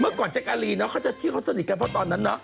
เมื่อก่อนเจ๊กอลีเขาจะเหมือนสนิทกันเท่าที่ตอนเนาะ